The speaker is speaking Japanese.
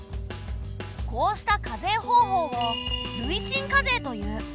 こうした課税方法を累進課税という。